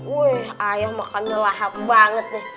wih ayah makan nyelahap banget nih